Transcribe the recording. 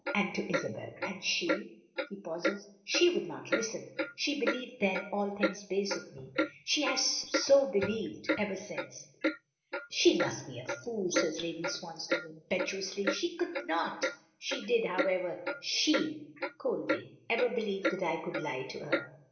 That was to Isabel. And she" he pauses "she would not listen. She believed, then, all things base of me. She has so believed ever since." "She must be a fool!" says Lady Swansdown impetuously, "she could not " "She did, however. She," coldly, "even believed that I could lie to her!"